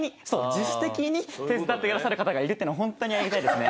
自主的に手伝ってくださる方がいるっていうのは本当にありがたいですね。